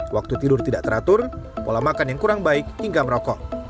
waktu tidur tidak teratur pola makan yang kurang baik hingga merokok